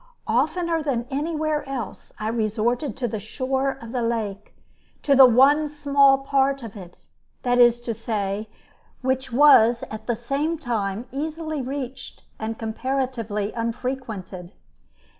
Oftener than anywhere else I resorted to the shore of the lake, to the one small part of it, that is to say, which was at the same time easily reached and comparatively unfrequented.